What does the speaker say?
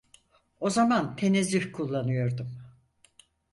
O zaman tenezzüh kullanıyordum.